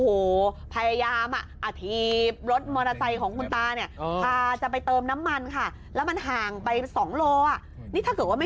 อูโหพยายามอธีบรถม